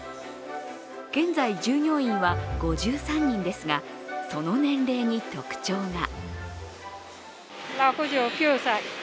現在、従業員は５３人ですが、その年齢に特徴が。